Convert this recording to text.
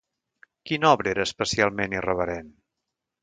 Quina obra era especialment irreverent?